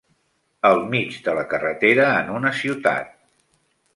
El mig de la carretera en una ciutat